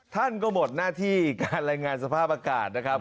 ท่านก็หมดหน้าที่การรายงานสภาพอากาศนะครับ